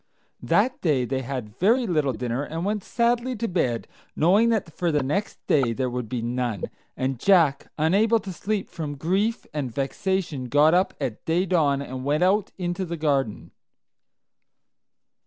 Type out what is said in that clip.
That day they had very little dinner, and went sadly to bed, knowing that for the next day there would be none, and Jack, unable to sleep from grief and vexation, got up at day dawn and went out into the garden.